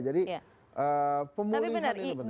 jadi pemulihan ini penting tapi benar